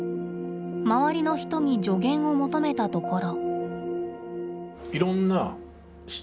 周りの人に助言を求めたところ。